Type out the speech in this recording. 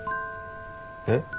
えっ？